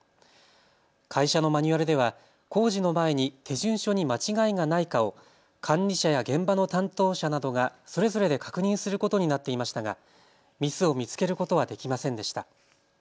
会社のマニュアルでは工事の前に手順書に間違いがないかを管理者や現場の担当者などがそれぞれで確認することになっていましたが、ミスを見つけることはできませんでした。